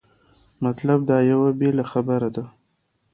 مطلب دا یوه بېله خبره ده.